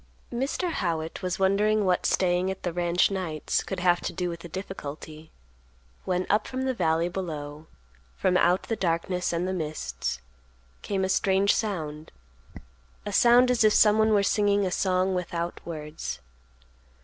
Mr. Howitt was wondering what staying at the ranch nights could have to do with the difficulty, when, up from the valley below, from out the darkness and the mists, came a strange sound; a sound as if someone were singing a song without words.